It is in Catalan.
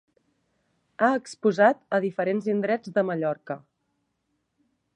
Ha exposat a diferents indrets de Mallorca.